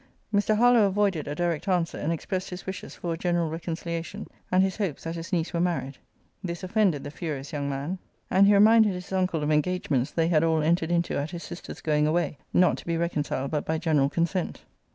Mr. Harlowe avoided a direct answer, and expressed his wishes for a general reconciliation, and his hopes that his niece were married. This offended the furious young man, and he reminded his uncle of engagements they had all entered into at his sister's going away, not to be reconciled but by general consent.